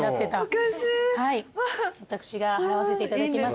はい私が払わせていただきます。